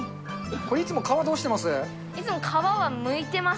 これ、いつも皮どうしてます？